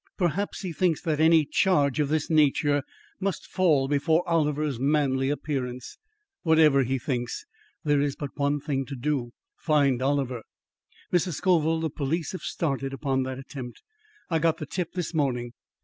Perhaps, he thinks that any charge of this nature must fall before Oliver's manly appearance. Whatever he thinks, there is but one thing to do: find Oliver." "Mrs. Scoville, the police have started upon that attempt. I got the tip this morning."